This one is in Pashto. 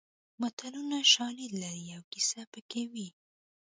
متلونه شالید لري او کیسه پکې وي